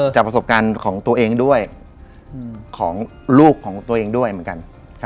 จากประสบการณ์ของตัวเองด้วยของลูกของตัวเองด้วยเหมือนกัน